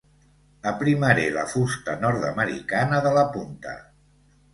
Aprimaré la fusta nord-americana de la punta.